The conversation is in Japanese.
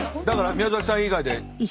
だから宮崎さん以外で。